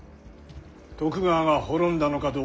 徳川が滅んだのかどうかは。